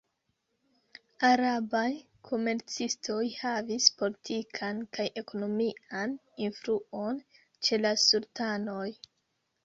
Arabaj komercistoj havis politikan kaj ekonomian influon ĉe la sultanoj.